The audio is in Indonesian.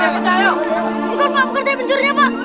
bukan pak bukan saya penjurinya pak